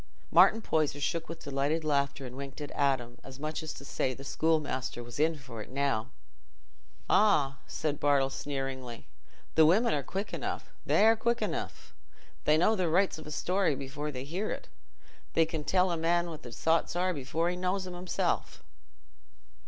Martin Poyser shook with delighted laughter and winked at Adam, as much as to say the schoolmaster was in for it now. "Ah!" said Bartle sneeringly, "the women are quick enough—they're quick enough. They know the rights of a story before they hear it, and can tell a man what his thoughts are before he knows 'em himself."